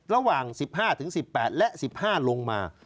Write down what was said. ระหว่าง๑๕๑๘และ๑๕ลงมา